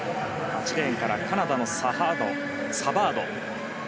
８レーンからカナダのサバード。